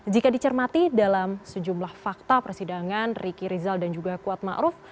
jika dicermati dalam sejumlah fakta persidangan riki rizal dan juga kuat ma ruf